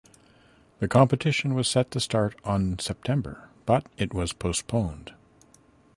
The competition was set to start on September but it was postponed.